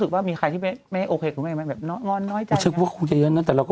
เอิราแลนด์กาลามวิทยาลอย่างน้อยอย่างนั้น